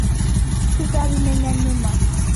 Tuzabimenya nyuma.